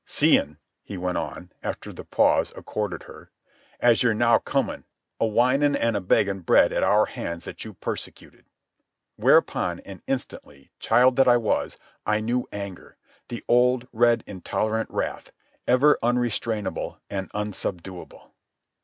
"... Seein'," he went on, after the pause accorded her, "as you're now comin' a whinin' an' a beggin' bread at our hands that you persecuted." Whereupon, and instantly, child that I was, I knew anger, the old, red, intolerant wrath, ever unrestrainable and unsubduable.